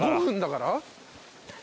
５分だから？